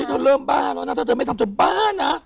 เธอเริ่มบ้าแล้วนะถ้าเธอไม่ทำจนบ้านะ